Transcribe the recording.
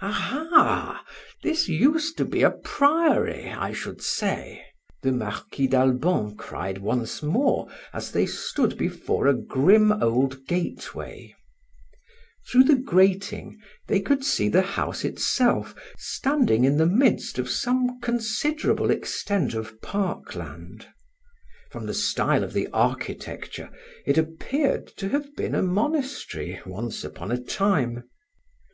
"Aha! This used to be a priory, I should say," the Marquis d'Albon cried once more, as they stood before a grim old gateway. Through the grating they could see the house itself standing in the midst of some considerable extent of park land; from the style of the architecture it appeared to have been a monastery once upon a time.